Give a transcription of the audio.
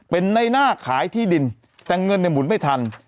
เป็นในหน้าขายที่ดินแต่เงินเนี่ยหมุนไม่ทัน